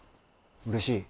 うれしい！